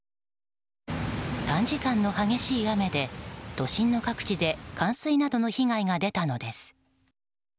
短時間の激しい雨で都心の各地で冠水などの被害が出たのです。